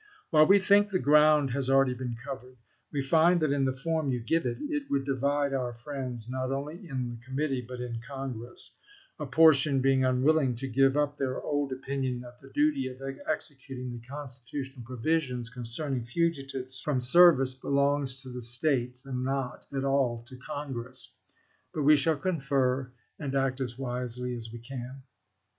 While we think the ground has been already covered, we find that in the form you give it, it would divide our friends not only in the Com mittee but in Congress ; a portion being unwilling to give up their old opinion that the duty of executing the con stitutional provisions concerning fugitives from service belongs to the States, and not at all to Congress. But we shall confer and act as wisely as we can.